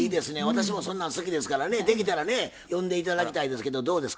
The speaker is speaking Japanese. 私もそんなん好きですからねできたらね呼んで頂きたいですけどどうですか？